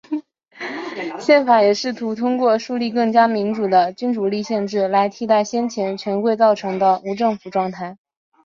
宪法也试图通过树立更加民主的君主立宪制来替代先前权贵造成的无政府状态。